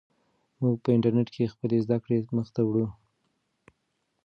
موږ په انټرنیټ کې خپلې زده کړې مخ ته وړو.